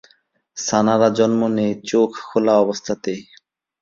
ছানারা জন্ম নেয় চোখ খোলা অবস্থাতেই।